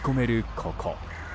ここ。